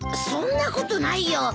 そんなことないよ。